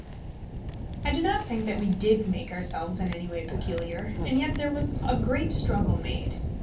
I do not think that we did make ourselves in any way peculiar, and yet there was a great struggle made.